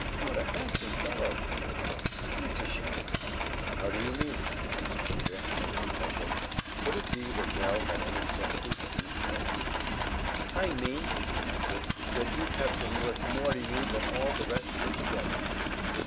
"What a handsome fellow!" said Nell. "It's a shame!" "How do you mean?" asked Peter, a little puzzled. Could it be that Nell had any sympathy for these Reds? "I mean," she answered, "that he'd have been worth more to you than all the rest put together."